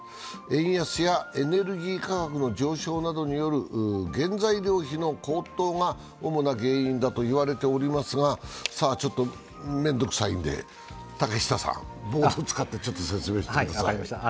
円安やエネルギー価格の上昇などによる原材料費の高騰が主な原因だと言われていますが面倒くさいんで、竹下さん、ボードを使って説明してください。